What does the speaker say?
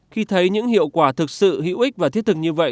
khi thấy những hiệu quả thực sự hữu ích và thiết thực như vậy